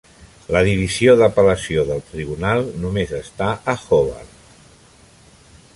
La divisió d'apel·lació del Tribunal només està a Hobart.